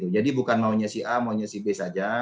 jadi bukan maunya si a maunya si b saja